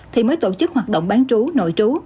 thì mới tổ chức hoạt động bán trú nội trú